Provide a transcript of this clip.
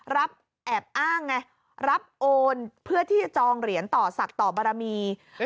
แอบอ้างไงรับโอนเพื่อที่จะจองเหรียญต่อศักดิ์ต่อบารมี